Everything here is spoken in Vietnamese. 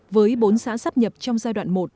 với bốn xã sắp nhập trong giai đoạn một